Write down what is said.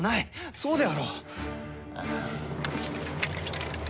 そうであろう？